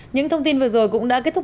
những thông tin vừa rồi cũng đã kết thúc